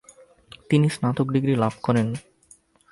তিনি স্নাতক ডিগ্রী লাভ করেন।